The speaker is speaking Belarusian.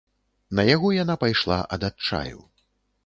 На яго яна пайшла ад адчаю.